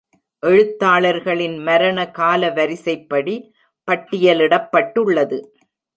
எழுத்தாளர்களின் மரண காலவரிசைப்படி பட்டியலிடப்பட்டுள்ளது.